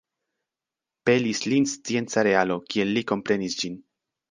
Pelis lin scienca realo, kiel li komprenis ĝin.